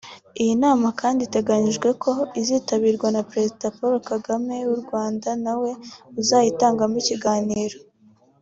Iyi nama kandi biteganijwe ko izanitabirwa na Perezida Paul Kagame w’u Rwanda na we uzayitangamo ikiganiro